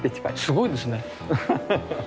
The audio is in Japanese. すごいですね。